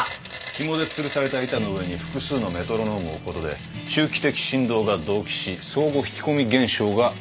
ひもでつるされた板の上に複数のメトロノームを置くことで周期的振動が同期し相互引き込み現象が発生する。